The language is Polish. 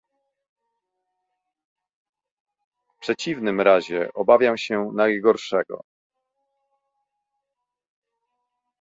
W przeciwnym razie obawiam się najgorszego